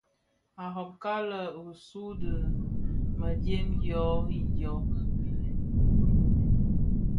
A robka lë risoo di mëdyëm dyô rì dyô.